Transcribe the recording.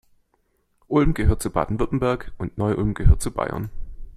Ulm gehört zu Baden-Württemberg und Neu-Ulm gehört zu Bayern.